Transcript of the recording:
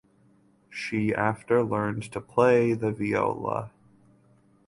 She after learned to play the viola.